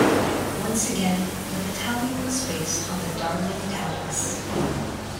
Once again, the battalion was based on the Darling Downs.